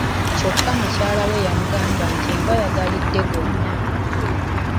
Kyokka mukyala we yamugamba nti embwa yagalidde gonna!